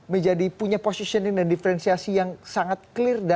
menjadi punya positioning dan difrensiasi yang sangat kaya